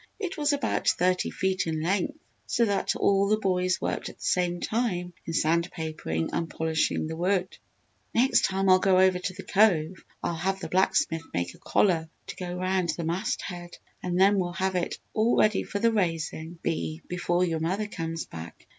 It was about thirty feet in length so that all the boys worked at the same time in sand papering and polishing the wood. "Next time I go over to the Cove I'll have the blacksmith make a collar to go around the mast head, and then we'll have it all ready for the raisin' bee before your mother comes back."